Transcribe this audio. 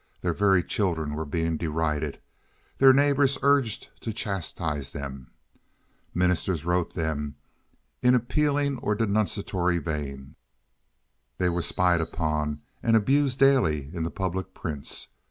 Their very children were being derided, their neighbors urged to chastise them. Ministers wrote them in appealing or denunciatory vein. They were spied upon and abused daily in the public prints.